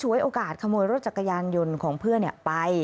โอกาสขโมยรถจักรยานยนต์ของเพื่อนไป